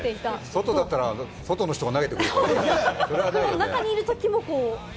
外だったら外の人が投げて。